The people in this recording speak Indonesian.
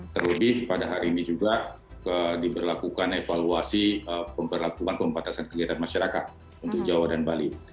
terlebih pada hari ini juga diberlakukan evaluasi pemberlakuan pembatasan kegiatan masyarakat untuk jawa dan bali